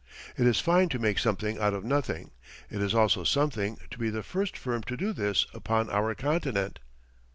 It is fine to make something out of nothing; it is also something to be the first firm to do this upon our continent.